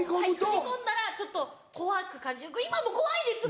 踏み込んだらちょっと怖く今も怖いです！